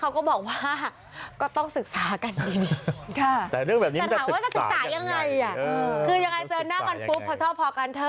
คือยังไงเจอหน้ากันปุ๊บเพราะชอบพอกันเธอ